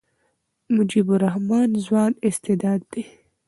مجيب الرحمن ځوان استعداد دئ.